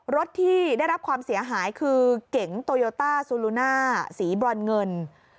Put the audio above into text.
รถที่ได้รับความเสียหายคือเก๋งโตโยต้าซูลูน่าสีบรอนเงิน